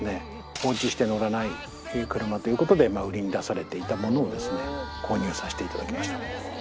放置して乗らない車という事で売りに出されていたものを購入させて頂きました。